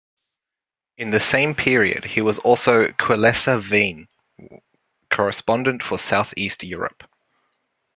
In the same period he was also Querleser Wien Correspondent for South East Europe.